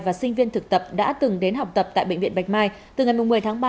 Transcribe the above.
và sinh viên thực tập đã từng đến học tập tại bệnh viện bạch mai từ ngày một mươi tháng ba